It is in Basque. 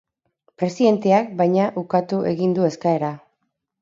Presidenteak, baina, ukatu egin du eskaera.